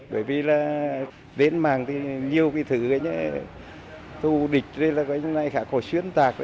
bởi vì tên mạng thì nhiều thứ thủ địch khả khổ xuyên tạc